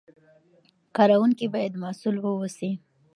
کاروونکي باید مسوول واوسي.